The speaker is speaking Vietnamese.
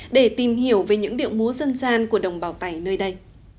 để tìm hiểu về những điệu múa dân gian của đồng bào tày nơi đây